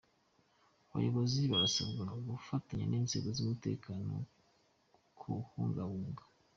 Abayobozi barasabwa gufatanya n’inzego z’umutekano kuwubungabunga